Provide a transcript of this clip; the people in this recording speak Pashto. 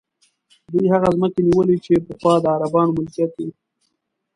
دوی هغه ځمکې نیولي چې پخوا د عربانو ملکیت وې.